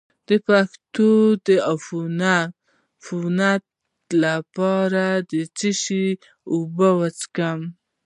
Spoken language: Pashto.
د پښتورګو د عفونت لپاره د څه شي اوبه وڅښم؟